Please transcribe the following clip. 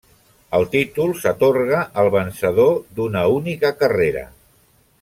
El títol s'atorga al vencedor d'una única carrera.